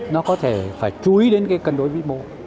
nó có thể phải chú ý đến cái cân đối vĩ bộ